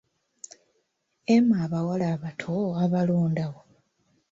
Emma abawala abato abalonda wa?